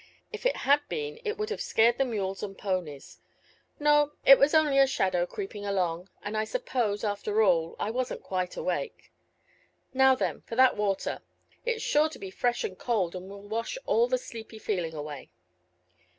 If it had been it would have scared the mules and ponies. No, it was only a shadow creeping along, and I suppose, after all, I wasn't quite awake. Now then for that water. It's sure to be fresh and cold, and will wash all the sleepy feeling away."